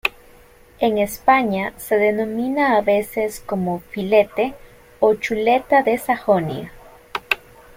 En España se denomina a veces como "filete" o "chuleta de Sajonia".